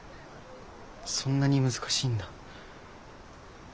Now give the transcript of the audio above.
そんなに難しいんだ。